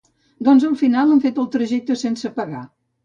Doncs al final han fet el trajecte sense pagar